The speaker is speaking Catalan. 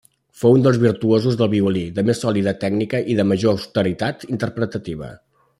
Fou un dels virtuosos del violí de més sòlida tècnica i de major austeritat interpretativa.